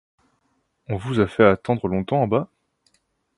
On vous a fait attendre longtemps en bas ?